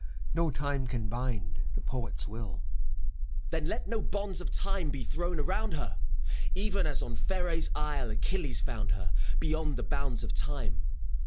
no time can bind the Poet's will. FAUST. Then let no bonds of Time be thrown around her! Even as on PheraB's isle Achilles found her, Beyond the bounds of Time.